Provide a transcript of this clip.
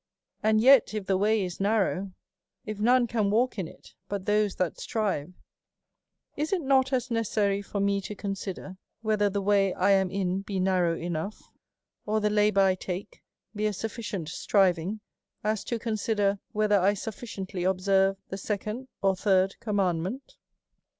And yet if the way is narrow, if none can walk in it but those that strive, is it not as necessary for me to consider whether the way 1 am in be narrow enough ; or the labour I take be a sufficient striving, as to con sider whether I sufficiently observe the second or third commandment